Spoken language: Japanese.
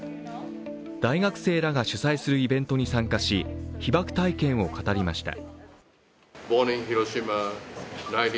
大学生らが主催するイベントに参加し、被爆体験を語りました。